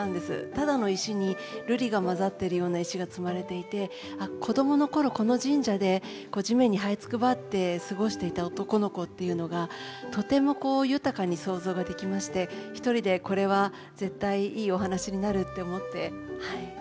ただの石に瑠璃が混ざっているような石が積まれていて子供の頃この神社で地面にはいつくばって過ごしていた男の子っていうのがとても豊かに想像ができまして一人で「これは絶対いいお話になる」って思ってはい。